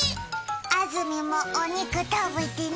安住もお肉食べてね。